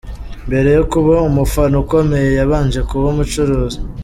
Mbere yo kuba umufana ukomeye, yabanje kuba umucuruzi.